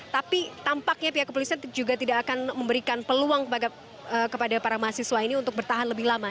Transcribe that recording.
tapi tampaknya pihak kepolisian juga tidak akan memberikan peluang kepada para mahasiswa ini untuk bertahan lebih lama